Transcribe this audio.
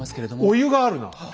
「お湯」があるな。